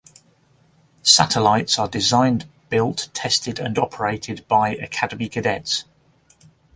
Satellites are designed, built, tested, and operated by Academy cadets.